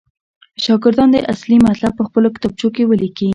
شاګردان دې اصلي مطلب پخپلو کتابچو کې ولیکي.